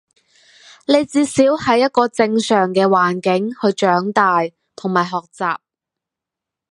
你至少係一個正常嘅環境去長大同埋學習